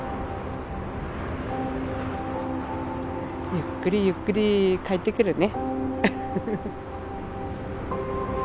ゆっくりゆっくり帰ってくるね。